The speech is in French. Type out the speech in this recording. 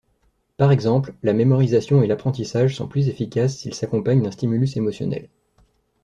Par exemple, la mémorisation et l'apprentissage sont plus efficaces s'ils s'accompagnent d'un stimulus émotionnel.